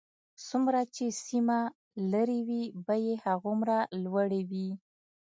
څومره چې سیمه لرې وي بیې هغومره لوړې وي